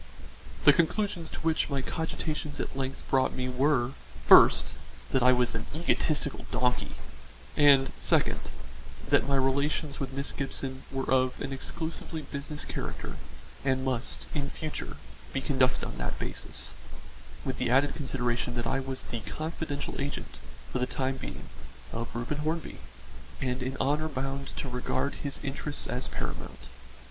The conclusions to which my cogitations at length brought me were: first, that I was an egotistical donkey, and, second, that my relations with Miss Gibson were of an exclusively business character and must in future be conducted on that basis, with the added consideration that I was the confidential agent, for the time being, of Reuben Hornby, and in honour bound to regard his interests as paramount.